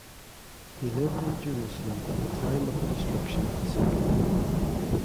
He lived in Jerusalem at the time of the destruction of the Second Temple.